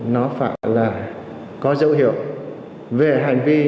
nó phải là có dấu hiệu về hành vi